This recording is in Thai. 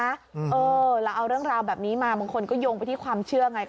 เออเราเอาเรื่องราวแบบนี้มาบางคนก็โยงไปที่ความเชื่อไง